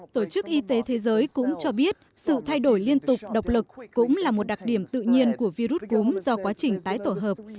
tổ chức y tế thế giới cũng cho biết sự thay đổi liên tục độc lực cũng là một đặc điểm tự nhiên của virus cúm do quá trình tái tổ hợp